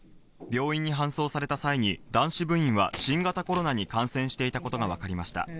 病院に搬送された際に、男子部員は新型コロナに観戦していたことが分かりました。